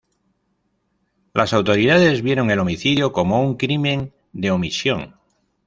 Las autoridades vieron el homicidio como un crimen de omisión.